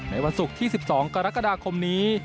วันศุกร์ที่๑๒กรกฎาคมนี้